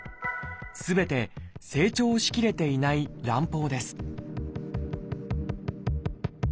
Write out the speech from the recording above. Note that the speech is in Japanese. すべて成長しきれていない卵胞です